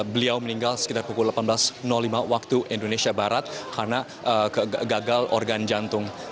beliau meninggal sekitar pukul delapan belas lima waktu indonesia barat karena gagal organ jantung